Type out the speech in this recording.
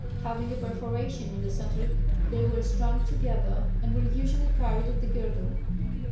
Having a perforation in the centre they were strung together, and were usually carried at the girdle.